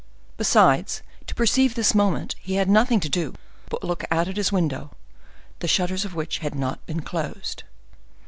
Besides, to perceive this movement, he had nothing to do but look out at his window, the shutters of which had not been closed.